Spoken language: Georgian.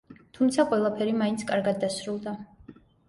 თუმცა ყველაფერი მაინც კარგად დასრულდა.